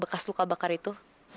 bekas luka bakar itu